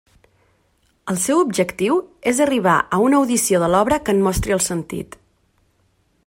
El seu objectiu és arribar a una audició de l'obra que en mostri el sentit.